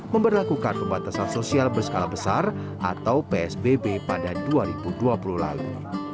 memperlakukan pembatasan sosial berskala besar atau psbb pada dua ribu dua puluh lalu